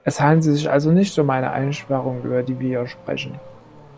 Es handelt sich also nicht um eine Einsparung, über die wir hier sprechen.